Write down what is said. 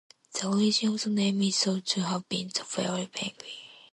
The origin of the name is thought to have been the fairy penguin.